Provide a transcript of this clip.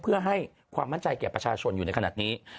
เพื่อให้ความมั่นใจแก่ประชาชนอยู่ในขณะนี้